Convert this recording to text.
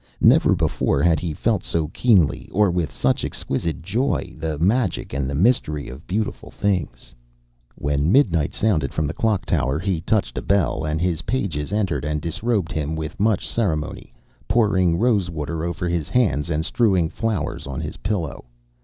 Never before had he felt so keenly, or with such exquisite joy, the magic and the mystery of beautiful things. When midnight sounded from the clock tower he touched a bell, and his pages entered and disrobed him with much ceremony, pouring rose water over his hands, and strewing flowers on his pillow.